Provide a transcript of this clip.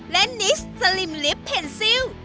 และนิสสลิมลิฟต์เพนซิล